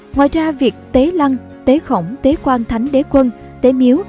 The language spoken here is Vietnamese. ngoài ra việc tế lăng tế khổng tế quan thánh đế quân tế miếu